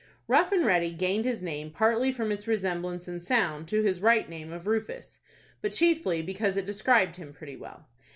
Rough and Ready gained his name partly from its resemblance in sound to his right name of Rufus, but chiefly because it described him pretty well.